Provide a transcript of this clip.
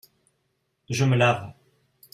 Je me lave.